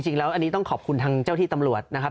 จริงแล้วอันนี้ต้องขอบคุณทางเจ้าที่ตำรวจนะครับ